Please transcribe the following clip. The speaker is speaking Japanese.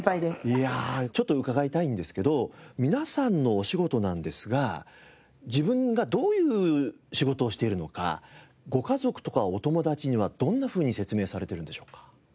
いやあちょっと伺いたいんですけど皆さんのお仕事なんですが自分がどういう仕事をしているのかご家族とかお友達にはどんなふうに説明されてるんでしょうか？